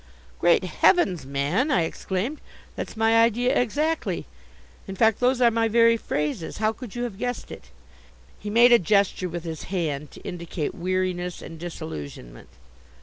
"Great heavens, man!" I exclaimed. "That's my idea exactly. In fact, those are my very phrases. How could you have guessed it?" He made a gesture with his hand to indicate weariness and disillusionment.